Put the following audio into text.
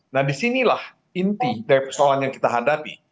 nah disinilah inti dari persoalan yang kita hadapi